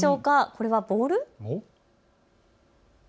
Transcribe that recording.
これはボール？